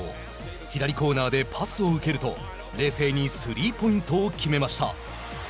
左コーナーでパスを受けると冷静にスリーポイントを決めました。